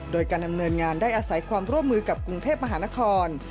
โดยการดำเนินงานได้อาศัยความร่วมมือกับกรุงเทพมหานคร